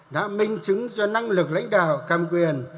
đã minh chứng cho năng lực lãnh đạo cầm quyền